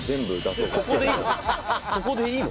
「ここでいいの？」